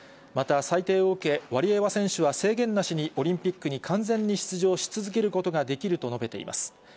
また裁定を受け、ワリエワ選手は制限なしに、オリンピックに完全に出場し続けることができると述べています。